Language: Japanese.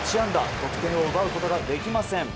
得点を奪うことができません。